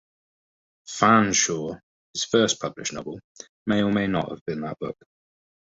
"Fanshawe", his first published novel, may or may not have been that book.